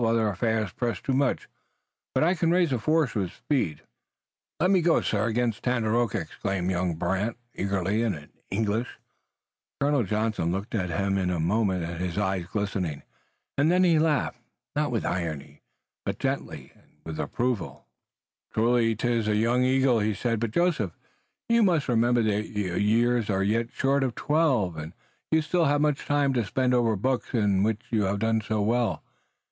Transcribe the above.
Other affairs press too much, but I can raise a force with speed." "Let me go, sir, against Tandakora!" exclaimed young Brant eagerly and in English. Colonel Johnson looked at him a moment, his eyes glistening, and then he laughed, not with irony but gently and with approval. "Truly 'tis a young eagle," he said, "but, Joseph, you must remember that your years are yet short of twelve, and you still have much time to spend over the books in which you have done so well.